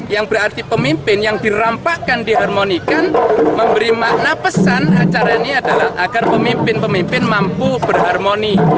yang berarti pemimpin yang dirampakkan diharmonikan memberi makna pesan acara ini adalah agar pemimpin pemimpin mampu berharmoni